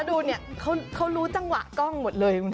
ดูเนี่ยเขารู้จังหวะกล้องหมดเลย